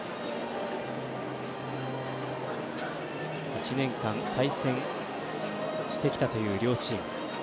１年間、対戦してきたという両チーム。